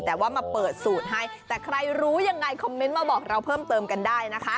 แต่ว่ามาเปิดสูตรให้แต่ใครรู้ยังไงคอมเมนต์มาบอกเราเพิ่มเติมกันได้นะคะ